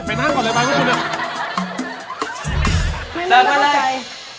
เราจะติดเลยไปนั่งก่อนเลยไปคุณเร็ว